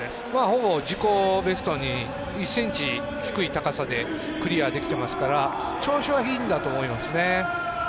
ほぼ自己ベストに１ｃｍ低い高さでクリアできてますから調子はいいんだと思いますね。